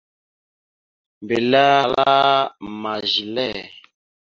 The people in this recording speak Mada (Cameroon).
Mbelle ahala: « Ma zelle? ».